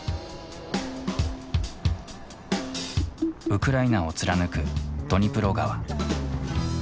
ウクライナを貫くドニプロ川。